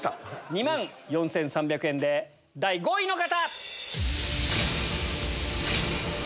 ２万４３００円で第５位の方！